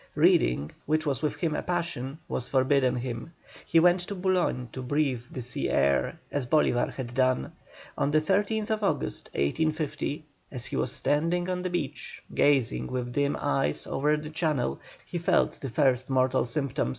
Reading, which was with him a passion, was forbidden him. He went to Boulogne to breathe the sea air, as Bolívar had done. On the 13th August, 1850, as he was standing on the beach, gazing with dim eyes over the Channel, he felt the first mortal symptom.